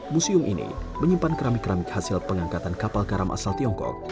museum ini menyimpan keramik keramik hasil pengangkatan kapal karam asal tiongkok